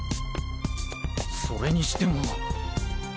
それにしても。